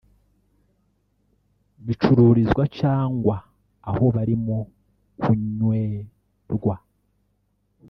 bicururizwa cyangwa aho barimo kunywerwa